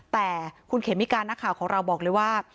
แต่คุณเขมิการณ์ของเราบอกเลยว่า